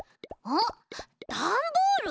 あっダンボール？